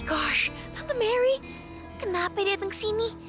hush tante mary kenapa datang kesini